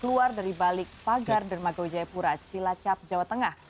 keluar dari balik pagar dermaga wijayapura cilacap jawa tengah